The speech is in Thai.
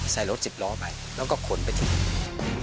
ใส่รถสิบล้อไปแล้วก็ขนไปที่นี่